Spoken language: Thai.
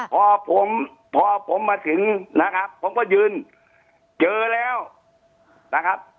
พอผมพอผมมาถึงนะครับผมก็ยืนเจอแล้วนะครับ